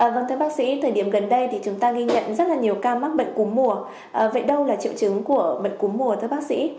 vâng thưa bác sĩ thời điểm gần đây thì chúng ta ghi nhận rất là nhiều ca mắc bệnh cúm mùa vậy đâu là triệu chứng của bệnh cúm mùa thưa bác sĩ